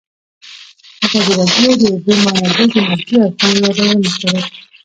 ازادي راډیو د د اوبو منابع د منفي اړخونو یادونه کړې.